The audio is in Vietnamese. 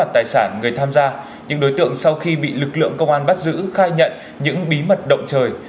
tài sản người tham gia những đối tượng sau khi bị lực lượng công an bắt giữ khai nhận những bí mật động trời